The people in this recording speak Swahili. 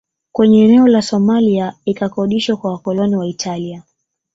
Kwenye eneo la Somalia ikakodishwa kwa wakoloni wa Italia